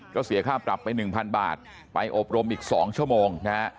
ก็เสียค่าปรับไปหนึ่งพันบาทไปอบรมอีกสองชั่วโมง